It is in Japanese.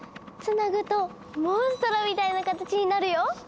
つなぐとモンストロみたいな形になるよ！